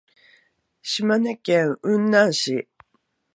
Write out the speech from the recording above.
島根県雲南市